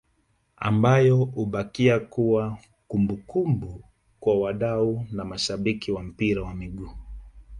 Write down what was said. ambayo hubakia kuwa kumbukumbu kwa wadau na mashabiki wa mpira wa miguu